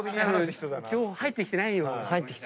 情報入ってきてないよ。